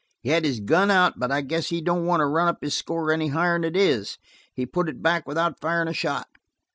He had his gun out, but I guess he don't want to run up his score any higher'n it is. He put it back without firin' a shot.